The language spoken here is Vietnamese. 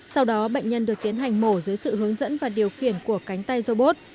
sau đó bệnh nhân được tiến hành mổ dưới sự hướng dẫn và điều khiển của cánh tay robot